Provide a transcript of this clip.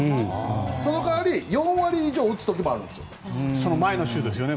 その代わり４割以上打つ時もあるんですよ。